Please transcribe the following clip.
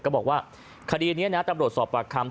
บอกว่าคดีนี้นะตำรวจสอบปากคำ